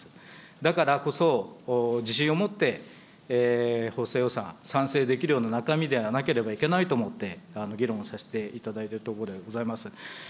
だからこそ、自信を持って、補正予算、賛成できるような中身でなければいけないと思って、議論をさせていただいているところでございます。